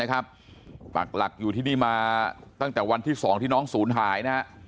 ปากหลักอยู่ที่นี่มาตั้งแต่วันที่๒ที่น้องศูนย์หายนะฮะ